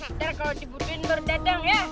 ntar kalau dibutuhin baru dateng ya